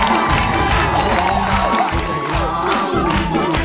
โลกใจโลกใจโลกใจโลกใจ